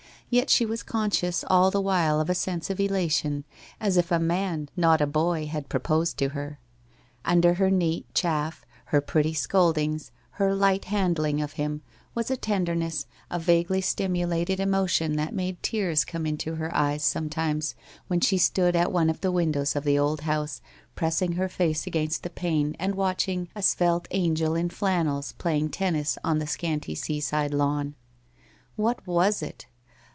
Yet she was conscious all the while of a sense of elation, as if a man, not a boy, had proposed to her. Tinder her neat chaff, her pretty scoldings, her light handling of him, was a tenderness, a vaguely stimulated emotion that made tears come into her eyes sometimes when she stood at one of the windows of the old house, pressing her face against the pane and watching a svelte angel in flannels playing tennis on the scanty seaside laVn. What was it?